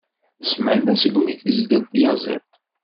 Ssmana segmi tezdel tyaziḍt.